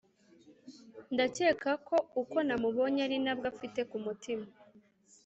ndakeka uko namubonye arinabwo afite kumutima”